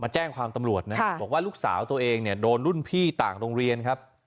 แจ้งความตำรวจนะบอกว่าลูกสาวตัวเองเนี่ยโดนรุ่นพี่ต่างโรงเรียนครับ